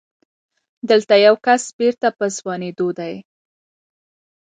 دلته يو کس بېرته په ځوانېدو دی.